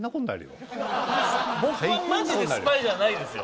僕はマジでスパイじゃないですよ。